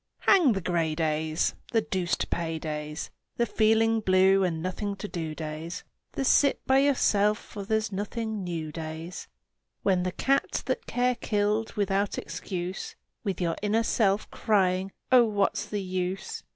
Hang the gray days! The deuce to pay days! The feeling blue and nothing to do days! The sit by yourself for there's nothing new days! When the cat that Care killed without excuse With your inner self's crying, "Oh, what's the use?"